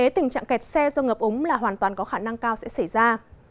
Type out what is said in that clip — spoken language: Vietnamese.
tình trạng kẹt xe do ngập ống là hoàn toàn có khả năng cao sẽ xảy ra